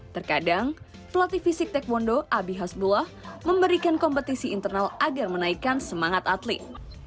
terkadang pelatih fisik taekwondo abi hasbullah memberikan kompetisi internal agar menaikkan semangat atlet